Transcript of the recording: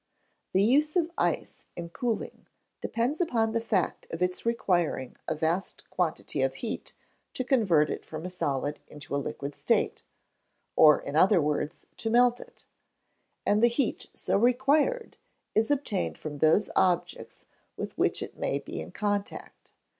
The use of ice in cooling depends upon the fact of its requiring a vast quantity of heat to convert it from a solid into a liquid state, or in other words, to melt it; and the heat so required is obtained from those objects with which it may be in contact.